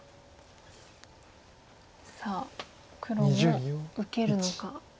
さあ黒も受けるのか。